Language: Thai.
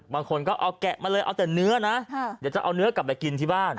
บางคนก็เอาแกะมาเลยเอาแต่เนื้อนะเดี๋ยวจะเอาเนื้อกลับไปกินที่บ้าน